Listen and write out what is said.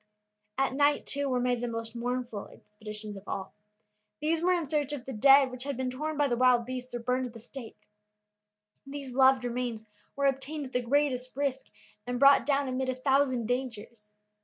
At night, too, were made the most mournful expeditions of all. These were in search of the dead which had been torn by the wild beasts or burned at the stake. These loved remains were obtained at the greatest risk, and brought down amid a thousand dangers.